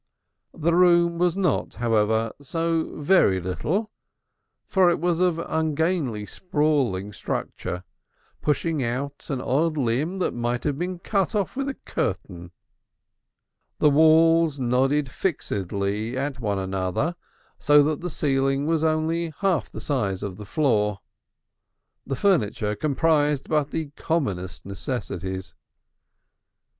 The room was not, however, so very little, for it was of ungainly sprawling structure, pushing out an odd limb that might have been cut off with a curtain. The walls nodded fixedly to one another so that the ceiling was only half the size of the floor. The furniture comprised but the commonest necessities.